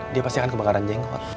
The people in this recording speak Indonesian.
dia pasti akan kebakaran jengkot